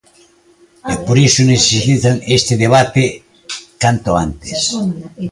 E por iso necesitan este debate canto antes.